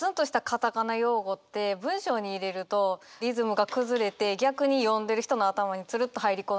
カタカナ用語って文章に入れるとリズムが崩れて逆に読んでる人の頭につるっと入り込んできたりするから。